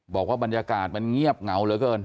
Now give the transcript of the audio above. บอกว่าบรรยากาศมันเงียบเหงาเหลือเกิน